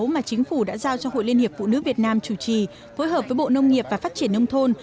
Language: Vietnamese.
mà chính phủ đã giao cho hội liên hiệp phụ nữ việt nam chủ trì phối hợp với bộ nông nghiệp và phát triển nông thôn